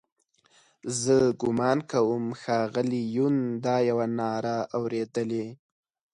زه ګومان کوم ښاغلي یون دا یوه ناره اورېدلې.